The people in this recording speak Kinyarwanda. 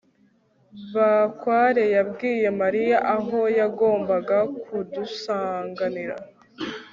bakware yabwiye mariya aho yagombaga kudusanganira